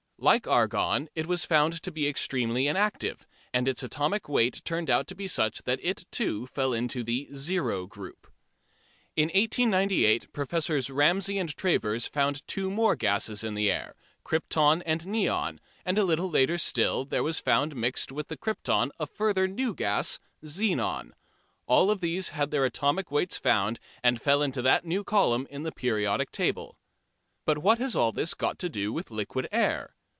Like argon, it was found to be extremely inactive, and its atomic weight turned out to be such that it too fell into the "Zero Group." In 1898 Professors Ramsey and Travers found two more gases in the air, krypton and neon, and a little later still, there was found mixed with the krypton a further new gas, xenon. All of these had their atomic weights found, and fell into that new column in the periodic table. But what has all this got to do with liquid air?